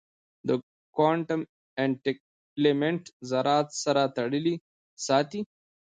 د کوانټم انټنګلمنټ ذرات سره تړلي ساتي.